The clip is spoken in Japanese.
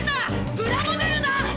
プラモデルだ！